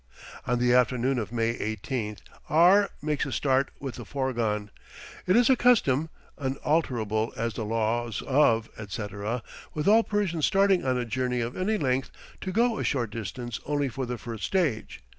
On the afternoon of May 18th, R makes a start with the fourgon. It is a custom (unalterable as the laws of, etc.) with all Persians starting on a journey of any length to go a short distance only for the first stage.